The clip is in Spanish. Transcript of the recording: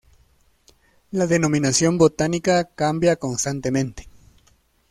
La denominación botánica cambia constantemente.